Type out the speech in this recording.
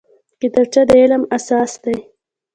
کتابچه د علم اساس دی